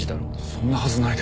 そんなはずないです。